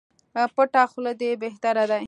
پټه خوله دي بهتري ده